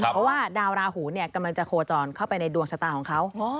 เพราะว่าดาวราหูกำลังจะโคจรเข้าไปในดวงชะตาของเขา